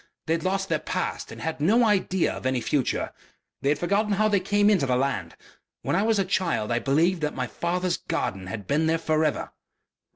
They had lost their past and had no idea of any future.. .. They had forgotten how they came into the land... When I was a child I believed that my father's garden had been there for ever....